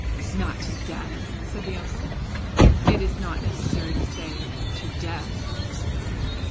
"Not to death," said the uncle; "it is not necessary to say, to death."